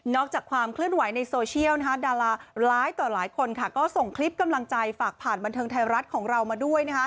จากความเคลื่อนไหวในโซเชียลดาราร้ายต่อหลายคนก็ส่งคลิปกำลังใจฝากผ่านบันเทิงไทยรัฐของเรามาด้วย